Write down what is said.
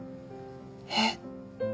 えっ？